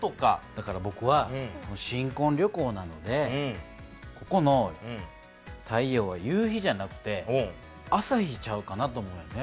だからぼくは新こん旅行なのでここの太陽は夕日じゃなくて朝日ちゃうかなと思うんね。